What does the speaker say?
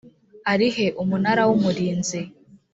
ari he Umunara w Umurinzi